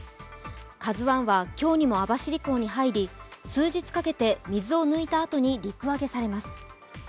「ＫＡＺＵⅠ」は今日にも網走港に入り数日かけて水を抜いたあとに陸揚げされます。